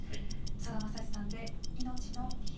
さだまさしさんで「いのちの理由」。